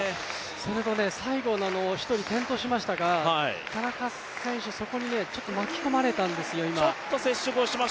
最後の１人転倒しましたが田中選手、そこにちょっと巻き込まれたんですよ、今。